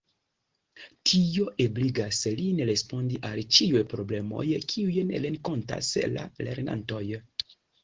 Tio ebligas lin respondi al ĉiuj problemoj kiujn renkontas la lernantoj.